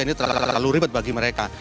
ini terlalu ribet bagi mereka